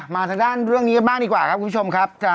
ทางด้านเรื่องนี้กันบ้างดีกว่าครับคุณผู้ชมครับ